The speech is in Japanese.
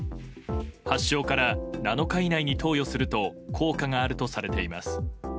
発症から７日以内に投与すると効果があるとされています。